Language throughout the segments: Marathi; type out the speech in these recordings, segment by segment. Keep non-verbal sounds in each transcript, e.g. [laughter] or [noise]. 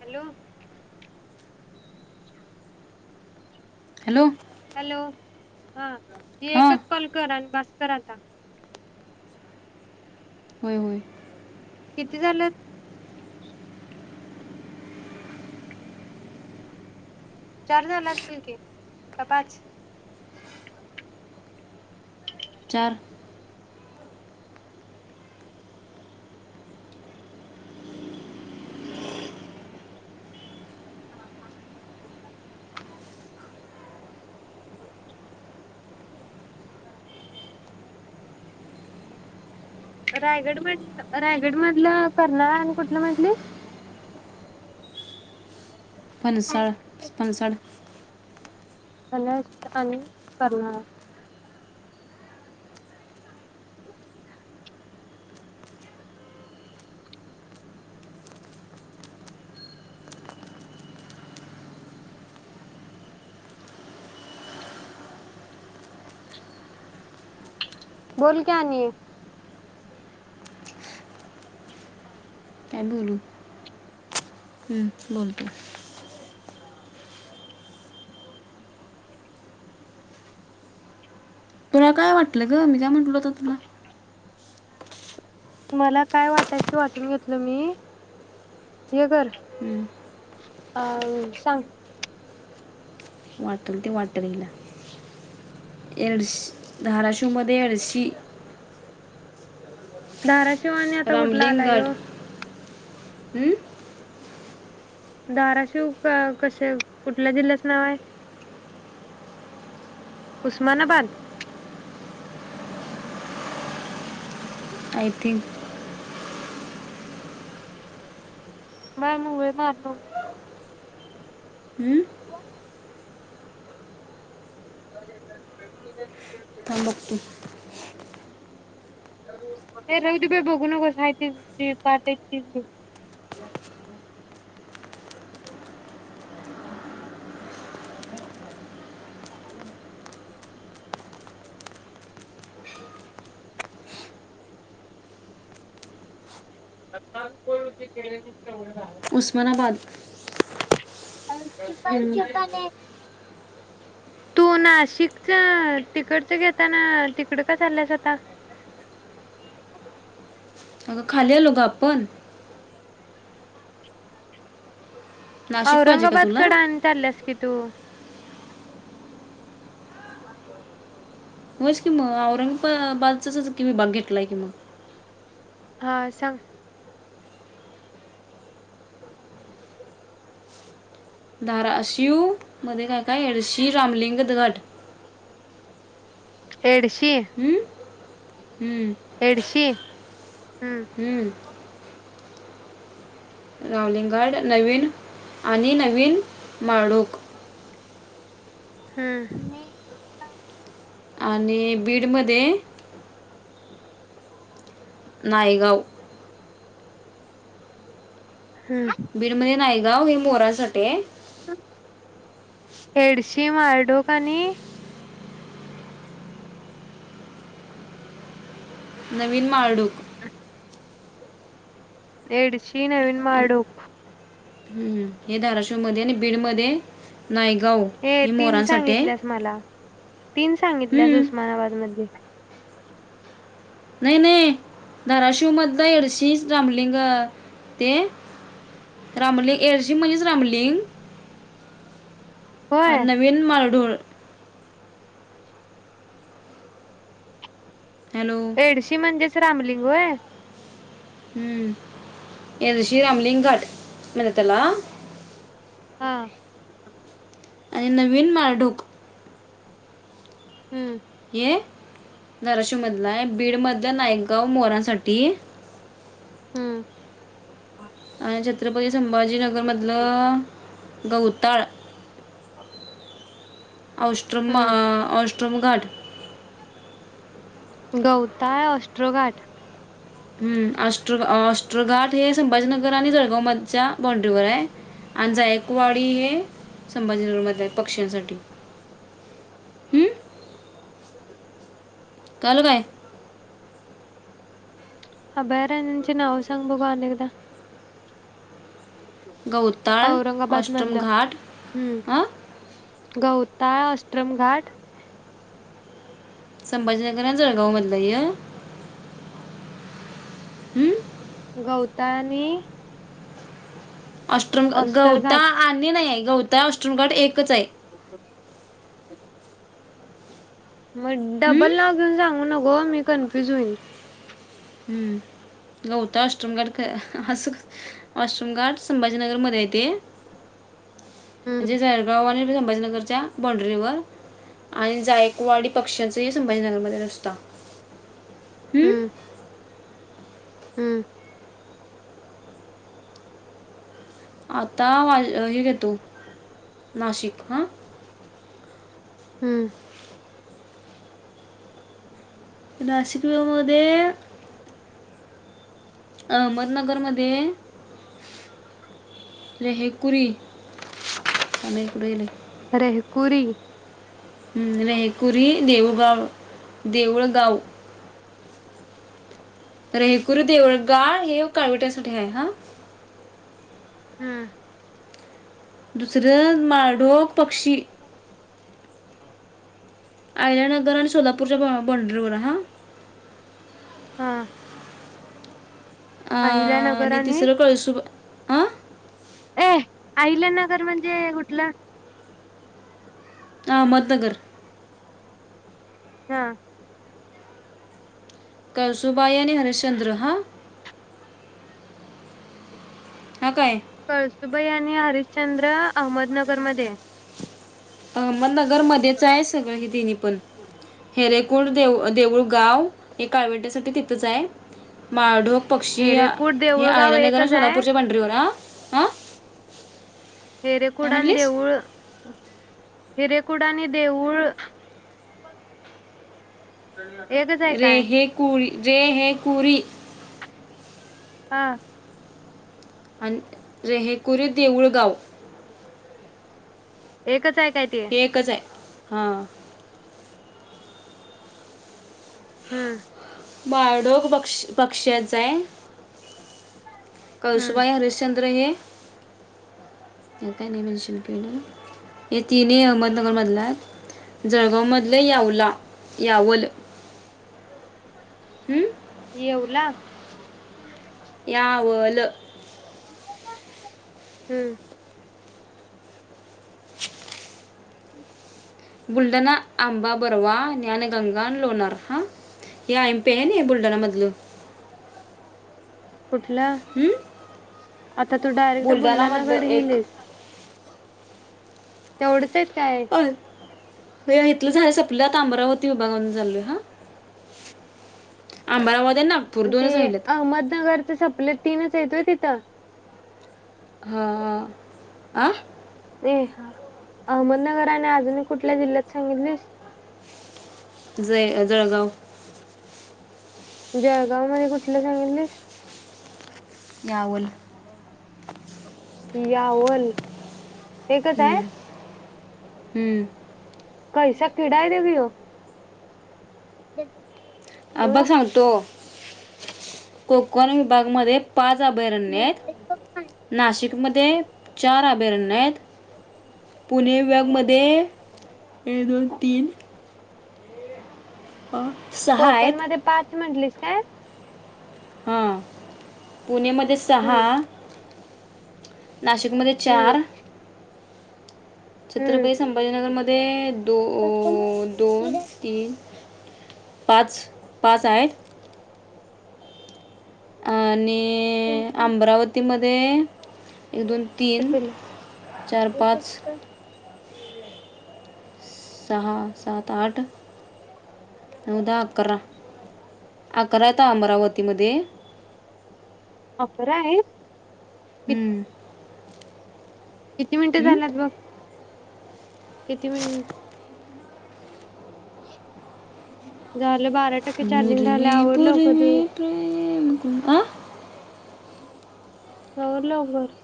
हॅलो. हॅलो. हॅलो हा. हे हां एकच पान कर आ - बासकर आता. होय होय. किती झालेत? चार झाल असतील की? का पाच? चार. [inaudible] हम [unintelligible] [unintelligible] रायगड मध, रायगड मधलं करणाळा आणि कुठलं म्हटली? फनसाळ फनसाड कला [unintelligible] आणि करर्नाळा बोल का आणि. [inaudible] काय बोलू? हम्म बोलतो. तुला काय वाटलं ग? मी काय म्हटल होत तुला? मला काय वाटायच ते वाटून घेतल मी हे कर हं, अह सांग वाटल ते वाटल हीला एडश धाराशिव मध्ये एडशी धाराशिव. तो आणि आता कुठला आलाय ह्यो. हम्म. धाराशिव कसे कुठल्या जिल्ह्याचं नाव हाय? उस्मानाबाद. I think. [unintelligible] थांब बघतो [unintelligible] [unintelligible] [unintelligible] उस्मानाबाद [unintelligible] तू नाशिकच तिकडचं घेताना तिकड का चाल्यास आता? अग खाली आलोग आपण [unintelligible] नाशिक पाहिजे का तुला औरंगाबादकडे आणि चाल्यास कि तो होयच कि मग औरंगाबाबादचाच की मी बघितलाय कि मग हा सांग. धाराशिव मध्ये काय? काय आहे श्री रामलिंगगड एडशी हं? हं. एडशी हम्म. हम्म. पावलिंगड नवीन आणि नवीन माडूक हम्म. आणि बीडमध्ये नायगाव हम्म बीड मध्ये नाही गाव हे मोरासाठी हाय एडशी मारडोक आणी नवीन माळडूक एडशी नवीन आणि- माळडूक हम्म. हे धाराशिवमध्ये आणि बीड मध्ये नायगाव हे ही तीन मोरांसाठी हाय सांगितल्यास मला. तीन सांगितलेस उस्मानाबाद मधे नाही नाही धाराशिव मधलं एडशी रामलिंग ते रामलिंग एडशी म्हणजेच रामलिंग अन होय नवीन मारधोळ हॅलो एडशी म्हणजेच रामलिंग होय. हम्म एडशी रामलिंगघट म्हणत्यात त्याला हा. आणि नवीन माळढोक हम्म हे धाराशिवमधला आहे बीड मधलं नायकगाव मोरांसाठी हम्म आणि छत्रपती संभाजी नग नगर मधलं गवताळ [unintelligible] औष्ट्रम अ हम्म औष्ट्रमघाट गवताळ ऑष्ट्रोघाट हम् ऑष्ट्रो ऑष्ट्रोघाट हे संभाजीनगर आणि जळगाव म च्या बॉंड्रीवर हाय आणि जायकवाडी हे संभाजीनगर मधेय पक्ष्यांसाठी हम्म कळालं काय? अभयारण्यांची नावं सांग बघु आणि एकदा. गवताळ औरंगाबाद मधलं अष्टमघाट अ ताळ अष्टम घाट संभाजीनगर अन् जळगाव मधलंय गवताळ आणि अष्टम अ ऑस्टर गवता घाट आणि नाय गवताळ [inaudible] एक एक हाय म हम्म? डबल लागून सांगू नको मी कन्फ्युज होईन. गवताळ अष्टमघाट क अस अष्टमघाट संभाजीनगर मध्ये आहे ते हम्म म्हणजे जळगाव आणि [unintelligible] संभाजीनगरच्या बॉंड्रीवर आणि जायकवाडी पक्ष्यांचे संभाजीनगरमध्ये रस्ता हम्म हम्म आता वा अ हे घे तु नाशिक हा हम्म नाशिक [inaudible] अहमदनगर मधे ए हे कुरी थांब ए कुठं गेलं रेहकुरी हम् रेहकुरी देऊगाव देऊळगाव रेहकुर देवळगाळ हे एक काळवटासाठी हाय. हा हम्म दुस त्र माढोळ पक्षी हा अहिल्यानगर आणि सोलापूरच्या बॉ बॉंड्रीवर हा हा आ आणि तिसरं कळसुबा हा ए आहिल्या नगर म्हणजे कुठलं. अहमदनगर हा कळसुबाई आणि हरिश्चंद्र हा ह काय कळसुबाई आणि हरिश्चंद्र अहमदनगरमधेय अहमदनगर मध्येचाय सगळं हे तिनी पण हेरेकोड दे देऊळ गाव हे काळवंट्या साठी तिथंच आहे, माळढोक पक्षी हेरेकूड हे देऊळगाव आहील्यानगर आणि एकच आहे सोलापूरच्या बॉण्ड्रीवर आहे. आ अं? हेरेकुड आणि देऊळ हिरेकुड आणि देऊळ एकच आहे काय रेहे कुळी जे हेै कुरी हां, आणि रेहेकुरी देऊळ गाव एकच आहे. काय ते हे एकच आहे. हां. हम्. बाळडोक पक्ष पक्ष्याच हाय. हम्म कळसुबाई हरिश्चंद्र हे काय नाही मेनशन केलं. हे तीन ही अहमदनगर मधलं आहे. जळगाव मधलं यावला यावल हं? येवला? यावल. हम्म. [inaudible] बुलढाणा, आंबा बरवा, ज्ञानगंगा, लोणार हा हे आयं पी आहे नाही बुलढाणा मधल, कुठल आता तू डायरेक्ट बुलढाणामधलं बुलढाणाकडे एक गेलेस. तेवढंच आहेत. काय? अं, इथलं झाल सपल, आता अमरावती विभागा कड चालोय हां. अमरावती आणि नागपूर ते दोनच राहिलेत अहमदनगरच सपल तीनच आहेत होय ति थ? हां, हां, आ? ए हा अहमदनगर आणि अजून कुठल्या जिल्ह्यातल सांगितलीस? जय जळगाव. जळगाव मध्ये कुठल सांगितलीस. यावल. यावल, एकच आहे? हम्म, हम्म. [inaudible] [unintelligible] अ बघ सांगतो. कोकण विभाग मध्ये पाच अभयारणण्यात नाशिक मध्ये चार अभयारण्य आहेत पुणे वगमध्ये एक दोन तीन सहाय म्हंटलीस काय हम पुण्यामध्ये हम्म सहा नाशिकमध्ये हम्म चार हम्म. छित्रपती संभाजीनगर म ते दो दोन तीन पाच पाच हायत अ नाही अमरावतीमध्ये ते एक दोन तीन किती? चार पाच सहा सात आठ न दहा अकरा अकराता अमरावतीमध्ये अकरा आहे क हम्म. किती मिनिटं हम्म? झाल्यात बघ किती मिनट ग [inaudible] मुर्वी तू पर्वी प्र ते तणता आवर लवकर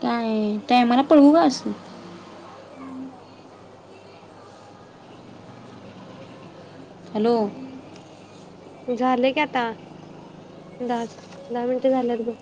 काय टामाला पळवू का अस हॅलो झाले की आता द दहा मिनिटे झालेत ग